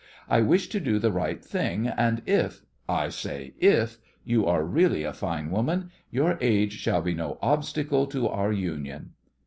I wish to do the right thing, and if I say if you are really a fine woman, your age shall be no obstacle to our union!